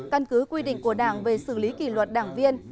căn cứ quy định của đảng về xử lý kỷ luật đảng viên